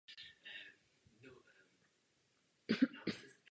Potřebujeme také investovat do lidí.